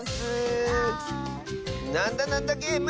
「なんだなんだゲーム」